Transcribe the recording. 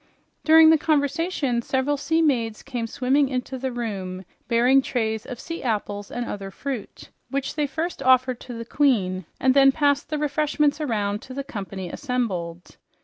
During the conversation several sea maids came swimming into the room bearing trays of sea apples and other fruit, which they first offered to the queen, and then passed the refreshments around to the company assembled.